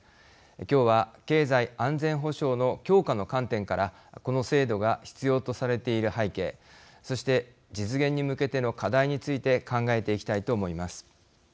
今日は、経済安全保障の強化の観点からこの制度が必要とされている背景そして、実現に向けての課題について考えていきたいと思います。